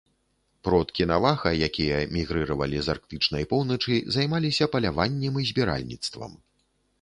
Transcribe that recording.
Продкі наваха, якія мігрыравалі з арктычнай поўначы, займаліся паляваннем і збіральніцтвам.